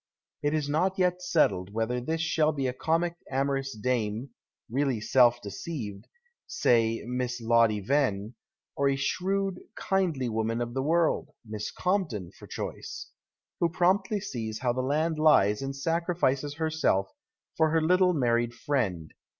It is not yet settled whether this shall be a comic amorous dame, really self deceived (say, Miss Lottie Venne), or a shrewd, kindly woman of the world (Miss Compton, for choice), who promj;)tly sees how the land lies and sacrifices herself for her little married friend.